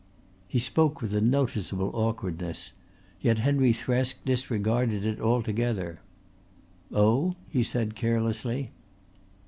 He spoke with a noticeable awkwardness, yet Henry Thresk disregarded it altogether. "Oh?" he said carelessly.